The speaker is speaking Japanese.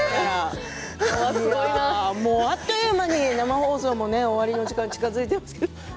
あっという間に生放送も終わりに近づいています。